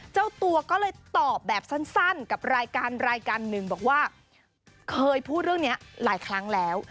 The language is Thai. เจ้าตัวก็เลยตอบแบบสั้นกับรายการรายการหนึ่งบอกว่าเคยพูดเรื่องนี้หลายครั้งแล้ว